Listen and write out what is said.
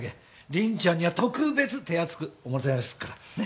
りんちゃんには特別手厚くおもてなしするから。ね？